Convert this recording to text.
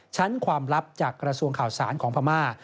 ชั้นความลับจากกระทรวงข่าวสารของพม่า